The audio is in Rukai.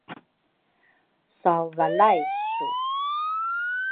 Sawvalay su